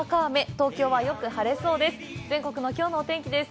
東京は、よく晴れそうです。